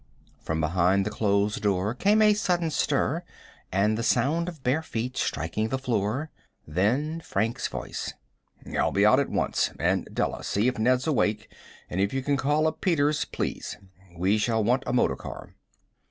From behind the closed door came a sudden stir and the sound of bare feet striking the floor; then Frank's voice. "I'll be out at once. And, Della, see if Ned's awake, and if you can call up Peters, please. We shall want a motor car."